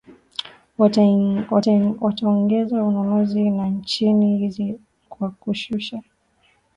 wataongeza ununuzi na chini hizi kwa kushusha